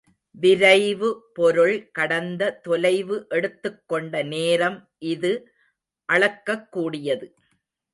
விரைவு பொருள் கடந்த தொலைவு எடுத்துக் கொண்ட நேரம் இது அளக்கக் கூடியது.